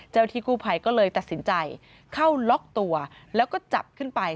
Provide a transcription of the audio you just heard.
ที่กู้ภัยก็เลยตัดสินใจเข้าล็อกตัวแล้วก็จับขึ้นไป